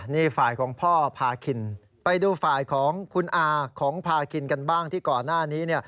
นี่ฝ่ายของพ่อพาคินไปดูฝ่ายของคุณอาของพาคินกันบ้างที่ก่อนหน้านี้